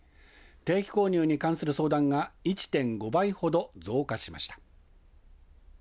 定期購入に関する相談は１．５倍ほど増加しました。